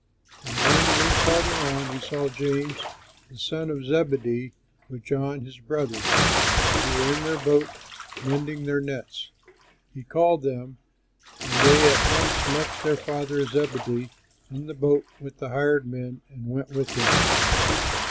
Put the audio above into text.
And going a little farther on, he saw James, the son of Zebedee, with John his brother, who were in their boat mending their nets. He called them, and they at once left their father, Zebedee, in the boat with the hired men, and went with him.